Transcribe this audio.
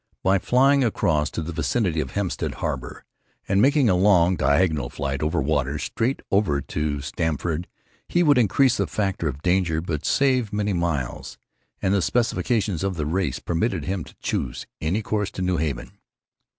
By flying across to the vicinity of Hempstead Harbor and making a long diagonal flight over water, straight over to Stamford, he would increase the factor of danger, but save many miles; and the specifications of the race permitted him to choose any course to New Haven.